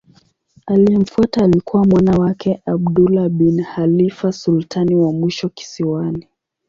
Aliyemfuata alikuwa mwana wake Abdullah bin Khalifa sultani wa mwisho kisiwani.